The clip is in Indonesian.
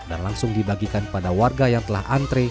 dan langsung dibagikan pada warga yang telah antre